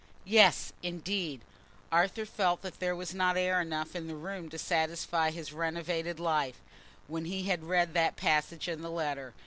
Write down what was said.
Yes, indeed! Arthur felt there was not air enough in the room to satisfy his renovated life, when he had read that passage in the letter.